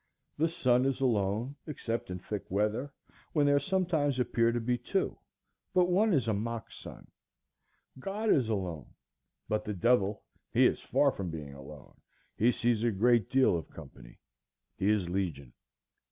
The sun is alone, except in thick weather, when there sometimes appear to be two, but one is a mock sun. God is alone,—but the devil, he is far from being alone; he sees a great deal of company; he is legion.